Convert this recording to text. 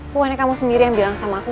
pokoknya kamu sendiri yang bilang sama aku